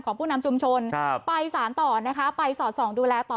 ผู้นำชุมชนไปสารต่อนะคะไปสอดส่องดูแลต่อ